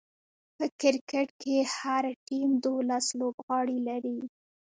په کرکټ کښي هر ټيم دوولس لوبغاړي لري.